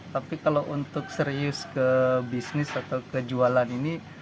tapi kalau untuk serius ke bisnis atau kejualan ini